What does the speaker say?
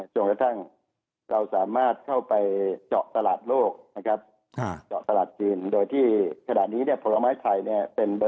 จนละทั้งเราสามารถเข้าไปเจาะตลาดโลกหรือเจาะตลาดจีน